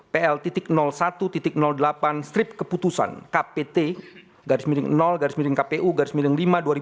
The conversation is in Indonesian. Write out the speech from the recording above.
pl satu delapan strip keputusan kpt garis miling garis miling kpu garis miling lima dua ribu sembilan belas